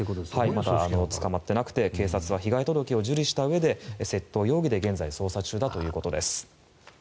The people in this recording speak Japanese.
まだ捕まっていなく警察は被害届を受理したうえで窃盗容疑で捜査中ということです。